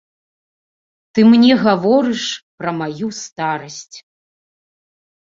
Ты мне гаворыш пра маю старасць.